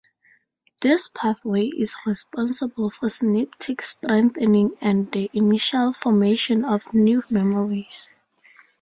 This pathway is responsible for synaptic strengthening and the initial formation of new memories.